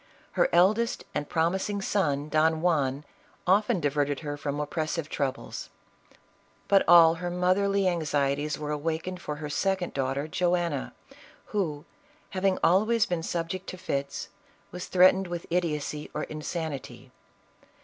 Her eldest and prom ising son Don Juan, often diverted her from oppressive troubles ; but all her motherly anxieties were awaken ed for her second daughter Joanna, who, having al ways been subject to fits, was threatened with idiocy or insanity.